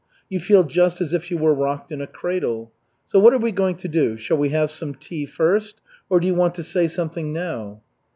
You feel just as if you were rocked in a cradle. So what are we going to do? Shall we have some tea first, or do you want to say something now?"